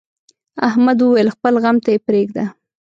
احمد وويل: خپل غم ته یې پرېږده.